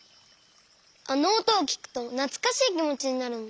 あのおとをきくとなつかしいきもちになるんだ。